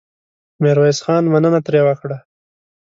ميرويس خان مننه ترې وکړه.